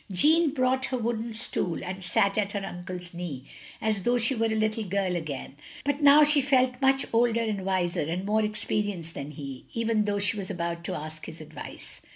Jeanne brought her woodai stool and sat at her tmcle's knee, as though she were a little girl again; but now she felt much older and wiser and more experienced than he, even though she was about to ask his advice.